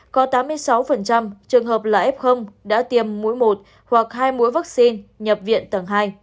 có tám mươi sáu trường hợp là f đã tiêm mũi một hoặc hai mũi vaccine nhập viện tầng hai